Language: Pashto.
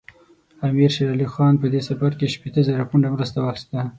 امیر شېر علي خان په دې سفر کې شپېته زره پونډه مرسته واخیسته.